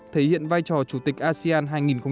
thể hiện vai trò chủ tịch asean hai nghìn hai mươi